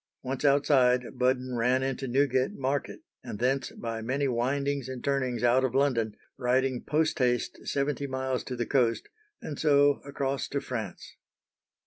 Once outside, Budden ran into Newgate Market, and thence by many windings and turnings out of London, riding post haste seventy miles to the coast, and so across to France.